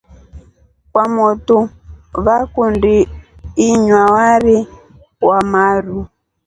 Kwamotu vakundi inywa wari wamaru.